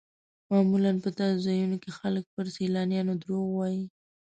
معمولا په داسې ځایونو کې خلک پر سیلانیانو دروغ وایي.